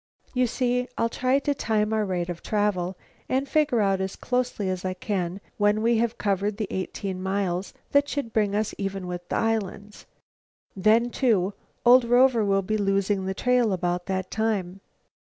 You see, I'll try to time our rate of travel, and figure out as closely as I can when we have covered the eighteen miles that should bring us even with the islands. Then, too, old Rover will be losing the trail about that time.